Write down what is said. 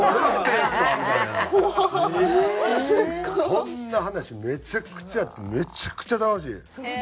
そんな話めちゃくちゃあってめちゃくちゃ楽しい。